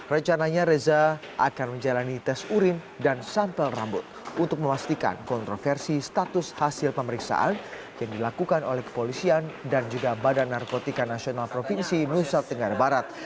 rencananya reza akan menjalani tes urin dan sampel rambut untuk memastikan kontroversi status hasil pemeriksaan yang dilakukan oleh kepolisian dan juga badan narkotika nasional provinsi nusa tenggara barat